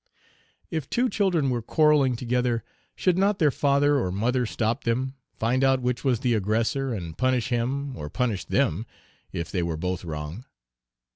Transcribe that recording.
If two children were quarrelling together, should not their father or mother stop them, find out which was the aggressor, and punish him, or punish them, if they were both wrong?